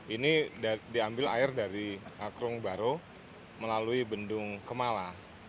ini diambil air dari krung baro melalui bendung kemala